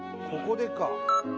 ここでか。